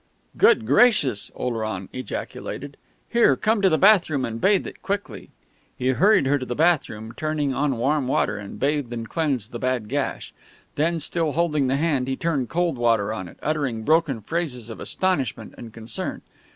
"Good Gracious!" Oleron ejaculated.... "Here, come to the bathroom and bathe it quickly " He hurried her to the bathroom, turned on warm water, and bathed and cleansed the bad gash. Then, still holding the hand, he turned cold water on it, uttering broken phrases of astonishment and concern.